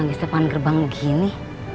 di depan gerbang begini